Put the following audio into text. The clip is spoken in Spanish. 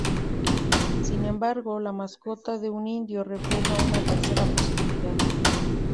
Sin embargo, la mascota de un indio refleja una tercera posibilidad.